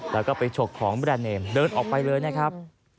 แล้วก็ไปฉกของแบรนด์เนมเดินออกไปเลยนะครับ